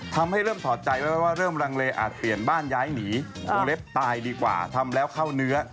ทำให้เริ่มถอดใจไว้ว่าเริ่มรังเลอาจเปลี่ยนบ้านย้ายหนีวงเล็บตายดีกว่าทำแล้วเข้าเนื้อ